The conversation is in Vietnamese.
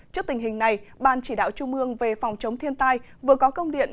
trước tình hình này ban chỉ đạo trung ương về phòng chống thiên tai vừa có công điện